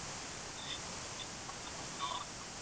춘우는 술이 몹시 취하여 설성월의 방에 누워서 잠이 들었었다.